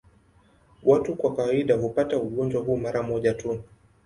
Watu kwa kawaida hupata ugonjwa huu mara moja tu.